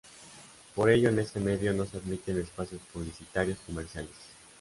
Por ello en este medio no se admiten espacios publicitarios comerciales.